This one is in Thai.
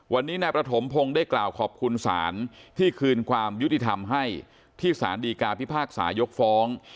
วันนี้นายประถมพงศ์ได้กล่าวขอบคุณศาลที่คืนความยุติธรรมให้ที่สารดีกาพิพากษายกฟ้อง